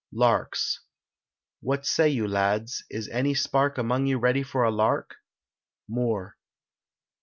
LARKS. What say you, lads? is any spark Among you ready for a lark? MOORE.